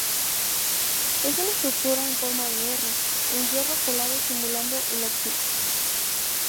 Es una estructura en forma de R en hierro colado simulando el óxido.